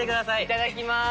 いただきまーす。